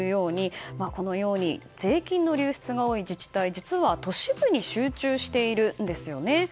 このように税金の流出が多い自治体は実は都市部に集中しているんですよね。